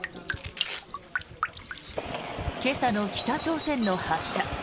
今朝の北朝鮮の発射。